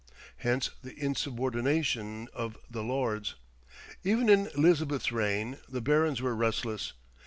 Hence the insubordination of the Lords. Even in Elizabeth's reign the barons were restless.